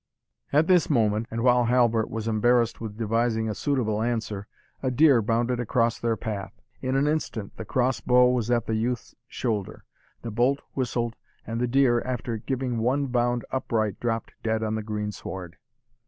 At this moment, and while Halbert was embarrassed with devising a suitable answer, a deer bounded across their path. In an instant the crossbow was at the youth's shoulder, the bolt whistled, and the deer, after giving one bound upright, dropt dead on the green sward.